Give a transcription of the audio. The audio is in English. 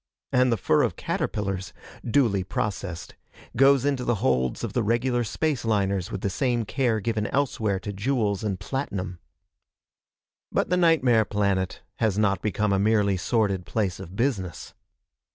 And the fur of caterpillars duly processed goes into the holds of the regular spaceliners with the same care given elsewhere to jewels and platinum. But the nightmare planet has not become a merely sordid place of business.